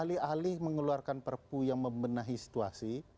alih alih mengeluarkan perpu yang membenahi situasi